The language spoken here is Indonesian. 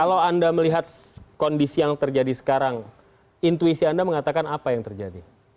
kalau anda melihat kondisi yang terjadi sekarang intuisi anda mengatakan apa yang terjadi